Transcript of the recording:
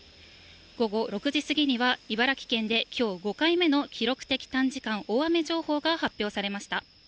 午後６時過ぎには、茨城県できょう５回目の記録的短時間大雨情報が発表されました。